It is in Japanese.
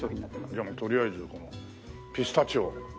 じゃあもうとりあえずこのピスタチオをね。